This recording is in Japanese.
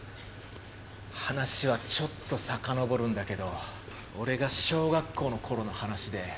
話はちょっと遡るんだけど俺が小学校の頃の話で。